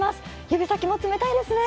指先も冷たいですね。